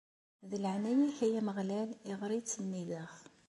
D leɛnaya-k, ay Ameɣlal, iɣer ttsennideɣ.